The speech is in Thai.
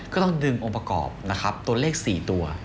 ก็ต้องดึงองค์ประกอบนะครับตัวเลข๔ตัว